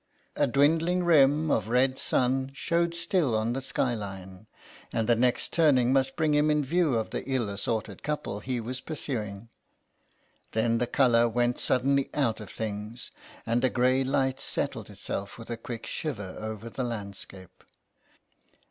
A dwindling rim of red sun showed still on the skyline, and the next turning must bring him in view of the ill GABRIEL ERNEST 59 assorted couple he was pursuing. Then the colour went suddenly out of things, and a grey light settled itself with a quick shiver over the landscape.